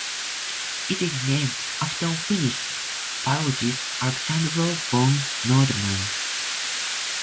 It is named after Finnish biologist Alexander von Nordmann.